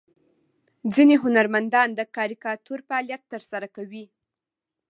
ځینې هنرمندان د کاریکاتور فعالیت ترسره کوي.